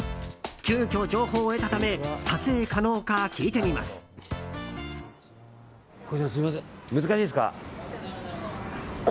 急きょ情報を得たため撮影可能か聞いてみます。